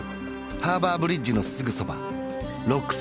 ハーバーブリッジのすぐそばロックス